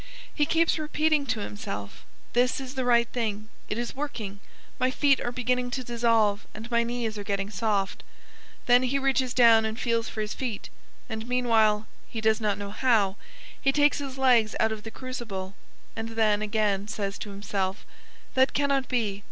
He keeps repeating to himself, "This is the right thing, it is working, my feet are beginning to dissolve and my knees are getting soft." Then he reaches down and feels for his feet, and meanwhile (he does not know how) he takes his legs out of the crucible, and then again he says to himself, "That cannot be....